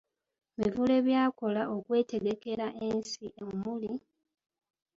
Mivule by’akola okwetegekera ensi; omuli: